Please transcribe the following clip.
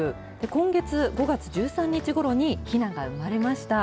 今月・５月１３日ごろにひなが生まれました。